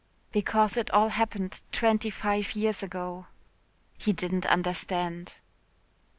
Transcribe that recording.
"Because it all happened twenty five years ago." He didn't understand.